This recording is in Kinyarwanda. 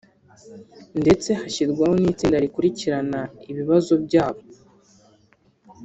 ndetse hashyirwaho n’itsinda rikurikirana ibibazo byabo